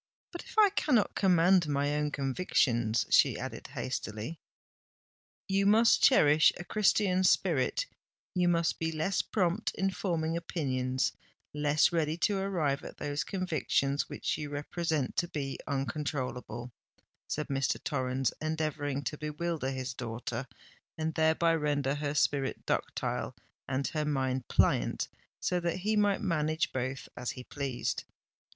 "But if I cannot command my own convictions?" she added hastily. "You must cherish a Christian spirit—you must be less prompt in forming opinions—less ready to arrive at those convictions which you represent to be uncontrollable," said Mr. Torrens, endeavouring to bewilder his daughter, and thereby render her spirit ductile and her mind pliant, so that he might manage both as he pleased.